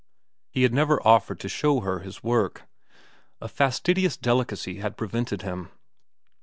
He had never offered to show her his work. A fastidious delicacy had prevented him.